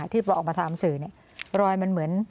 ที่พอออกมาทำสื่อรอยมันเหมือน